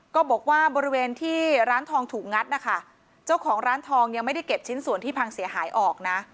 ก็บอกว่าบริเวณที่ร้านทองถูกงัดนะคะเจ้าของร้านทองยังไม่ได้เก็บชิ้นส่วนที่พังเสียหายออกนะ